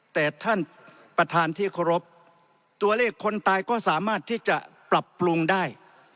แต่ท่านประธานที่เคารพตัวเลขคนตายก็สามารถที่จะปรับปรุงได้